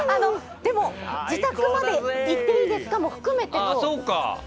でも自宅まで行っていいですか？も含めての。